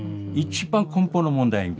一番根本の問題。